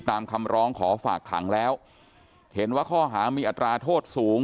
คำร้องขอฝากขังแล้วเห็นว่าข้อหามีอัตราโทษสูง